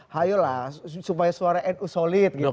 hayolah supaya suara nu solid gitu